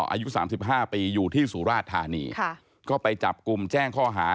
อายุ๓๕ปีอยู่ที่สุราชธานีก็ไปจับกลุ่มแจ้งข้อหา